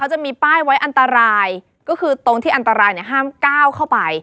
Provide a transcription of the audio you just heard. จะมีป้ายไว้อันตรายก็คือตรงที่อันตรายเนี่ยห้ามก้าวเข้าไป